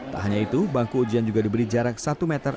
tak hanya itu bangku ujian juga diberi jarak satu meter